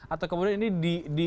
atau kemudian ini